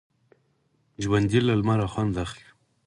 ژوندي له لمر خوند اخلي